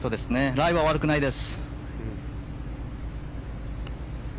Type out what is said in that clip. ライは悪くないです。